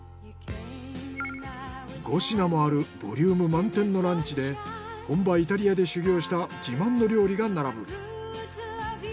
５品もあるボリューム満点のランチで本場イタリアで修行した自慢の料理が並ぶ。